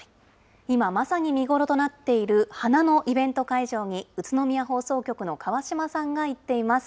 今、まさに見頃となっている花のイベント会場に、宇都宮放送局の川島さんが行っています。